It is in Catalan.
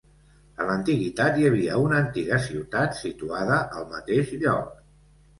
En l'antiguitat hi havia una antiga ciutat situada al mateix lloc.